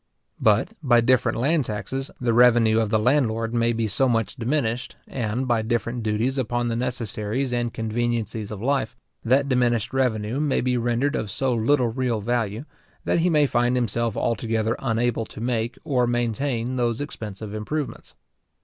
But, by different land taxes, the revenue of the landlord may be so much diminished, and, by different duties upon the necessaries and conveniencies of life, that diminished revenue may be rendered of so little real value, that he may find himself altogether unable to make or maintain those expensive improvements.